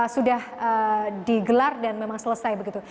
sudah digelar dan memang selesai begitu